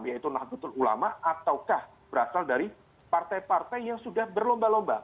yaitu nahdlatul ulama ataukah berasal dari partai partai yang sudah berlomba lomba